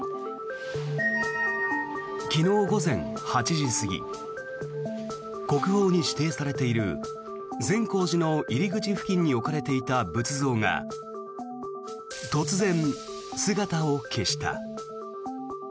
昨日午前８時過ぎ国宝に指定されている善光寺の入り口付近に置かれていた仏像が突然、姿を消した。